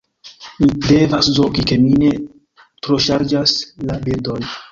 Mi devas zorgi, ke mi ne troŝarĝas la bildon.